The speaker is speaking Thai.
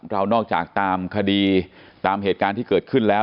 นอกจากตามคดีตามเหตุการณ์ที่เกิดขึ้นแล้ว